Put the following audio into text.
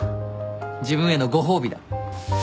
自分へのご褒美だ。